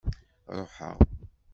Ṛuḥeɣ.